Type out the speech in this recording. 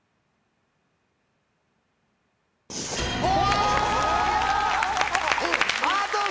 お！